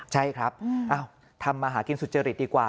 ใช่ครับทำมาหากินสุจริตดีกว่า